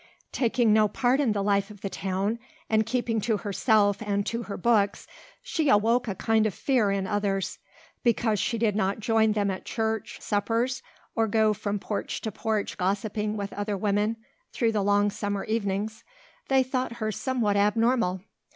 Taking no part in the life of the town and keeping to herself and to her books she awoke a kind of fear in others. Because she did not join them at church suppers, or go from porch to porch gossiping with other women through the long summer evenings, they thought her something abnormal.